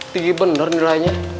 tinggi bener nilainya